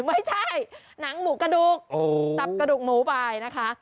ไม่ใช่หนังหมูกระดูกจับกระดูกหมูไปนะคะ